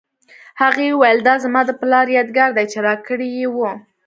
هغې وویل دا زما د پلار یادګار دی چې راکړی یې و